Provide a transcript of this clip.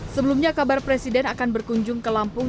sebelumnya kabar presiden akan berkunjung ke lampung